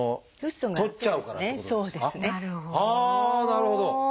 なるほど。